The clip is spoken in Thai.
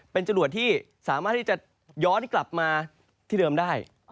เป็นจรวดที่สามารถที่จะย้อนกลับมาที่เดิมได้